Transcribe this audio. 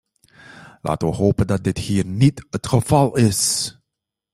Laten we hopen dat dit hier niet het geval is.